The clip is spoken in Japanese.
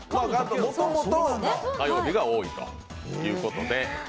もともと火曜日が多いということで。